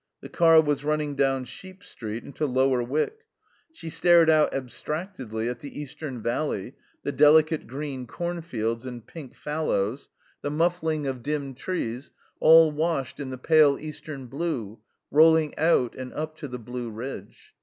The car was running down Sheep Street into Lower Wyck. She stared out abstractedly at the eastern valley, the delicate green cornfields and pink fallows, the muffling of dim trees, all washed in the pale eastern blue, rolling out and up to the blue ridge.